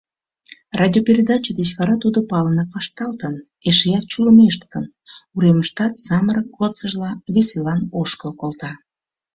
Радиопередаче деч вара тудо палынак вашталтын: эшеат чулымештын, уремыштат самырык годсыжла веселан ошкыл колта.